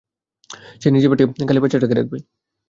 সে নিজের পেটে খালি বাচ্চাটাকে রাখবে।